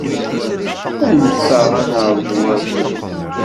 Anef-aɣ ad nerǧu ar Tubeṛ.